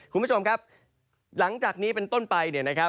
คุณผู้ชมครับหลังจากนี้เป็นต้นไป